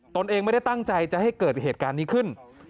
ตนเองไม่ได้ตั้งใจจะให้เกิดเหตุการณ์นี้ขึ้น